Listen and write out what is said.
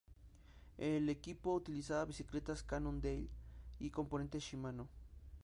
El equipo utilizaba bicicletas Cannondale y componentes Shimano.